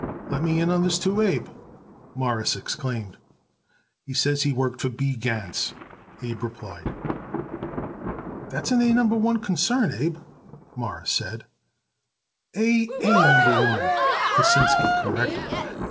"Let me in on this, too, Abe," Morris exclaimed. "He says he worked for B. Gans," Abe replied. "That's an A Number One concern, Abe," Morris said. "A A Number One," Pasinsky corrected. "B.